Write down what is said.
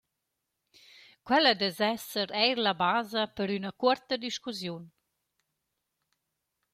Quella dess esser eir la basa per üna cuorta discussiun.